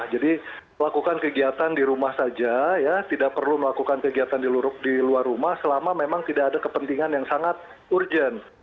jadi lakukan kegiatan di rumah saja ya tidak perlu melakukan kegiatan di luar rumah selama memang tidak ada kepentingan yang sangat urgent